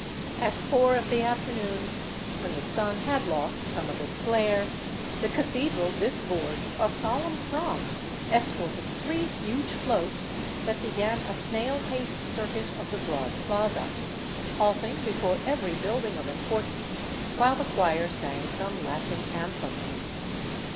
At four of the afternoon, when the sun had lost some of its glare, the cathedral disgorged a solemn throng escorting three huge floats that began a snail paced circuit of the broad plaza, halting before every building of importance while the choir sang some Latin anthem.